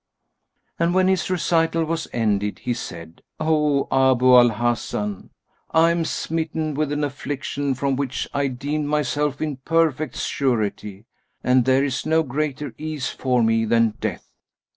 "[FN#196] And when his recital was ended he said, "O Abu al Hasan, I am smitten with an affliction from which I deemed myself in perfect surety, and there is no greater ease for me than death."